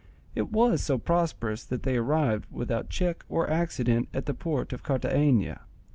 It was so prosperous that they arrived without check or accident at the port of Cartagena.